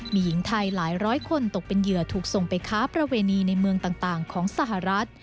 มีหญิงไทยหลายร้อยคนตกเป็นเหยื่อถูกส่งไปค้าประเวณีในเมืองต่างของสหรัฐ